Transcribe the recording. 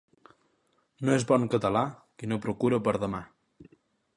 No és bon català qui no procura per demà.